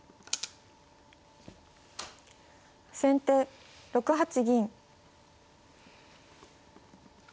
先手６八銀。